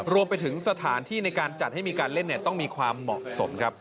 รวมไปถึงสถานที่ในการจัดให้มีการเล่นต้องมีความเหมาะสมครับ